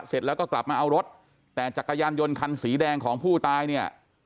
เสร็จแล้วก็กลับมาเอารถแต่จักรยานยนต์คันสีแดงของผู้ตายเนี่ย